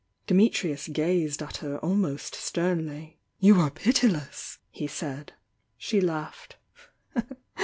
Dimitrius gazed at her almost sternly "You are pitiless!" he said. »<«"iiy. She laughed.